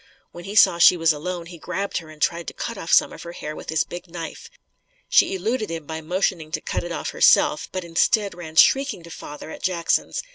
When he saw she was alone, he grabbed her and tried to cut off some of her hair with his big knife. She eluded him by motioning to cut it off herself, but instead, ran shrieking to father at Jackson's.